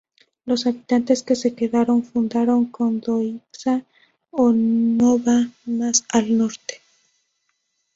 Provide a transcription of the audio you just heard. Los habitantes que se quedaron, fundaron Condeixa-a-Nova, más al norte.